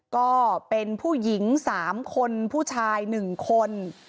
ก็เป็นผู้หญิง๓คนผู้ชาย๑คน